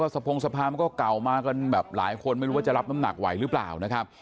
สะพงสะพานก็เก่าแล้วกันต่อมากว่าจะรับน้ำหนักไหวหรือร่า